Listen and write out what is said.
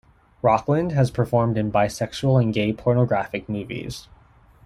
Rockland has performed in bisexual and gay pornographic movies.